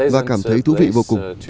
và cảm thấy thú vị vô cùng